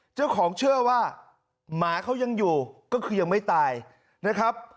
เชื่อว่าหมาเขายังอยู่ก็คือยังไม่ตายนะครับ